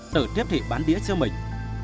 tự tiếp thị bán đĩa cho mình